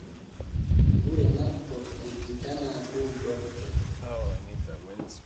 Gure makko yeggitanaa dow dokke.